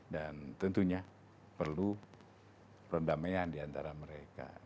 dan tentunya perlu perdamaian diantara mereka